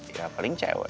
ya paling cewek